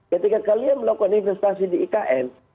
ketika kalian melakukan investasi di ikn